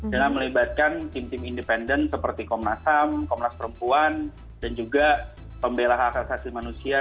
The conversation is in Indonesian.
dengan melibatkan tim tim independen seperti komnas ham komnas perempuan dan juga pembela hak asasi manusia